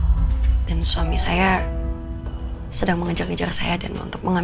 hmm tapi aku rasa senang ya karena aku pasti tetap keras